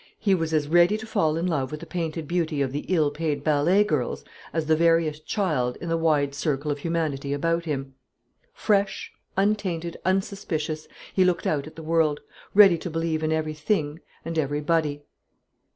He was as ready to fall in love with the painted beauty of the ill paid ballet girls, as the veriest child in the wide circle of humanity about him. Fresh, untainted, unsuspicious, he looked out at the world, ready to believe in everything and everybody.